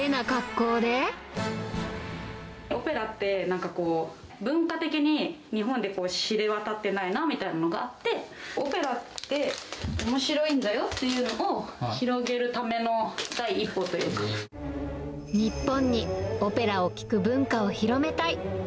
オペラって、なんかこう、文化的に日本で知れ渡ってないなみたいのがあって、オペラっておもしろいんだよっていうのを広げるための第一歩とい日本にオペラを聞く文化を広めたい。